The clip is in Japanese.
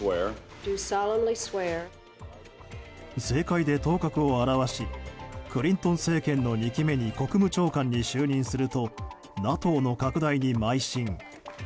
政界で頭角を現しクリントン政権の２期目に国務長官に就任するとＮＡＴＯの拡大にまい進。